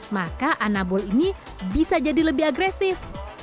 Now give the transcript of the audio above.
maka anabol ini bisa jadi lebih agresif